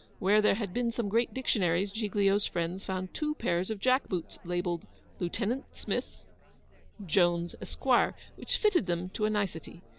Where there had been some great dictionaries, Giglio's friends found two pairs of jack boots labelled, 'Lieutenant Smith,' ' Jones, Esq.,' which fitted them to a nicety.